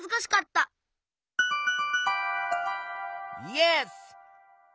イエス！